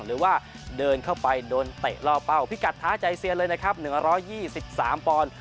หรือว่าเดินเข้าไปโดนเตะล่อเป้าพิกัดท้าใจเซียนเลยนะครับ๑๒๓ปอนด์